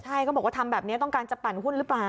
ใช่เขาบอกว่าทำแบบนี้ต้องการจะปั่นหุ้นหรือเปล่า